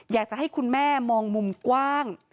อยากจะให้คุณแม่มองมุมกว้าง